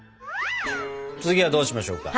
次はどうしましょうか？